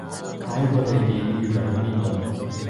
下一個地點預備去邊度